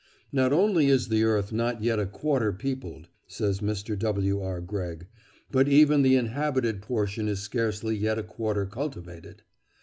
"Not only is the earth not yet a quarter peopled," says Mr. W. R. Greg, "but even the inhabited portion is scarcely yet a quarter cultivated.